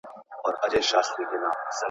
په اوږد مزله کي به دي پر لار سم ,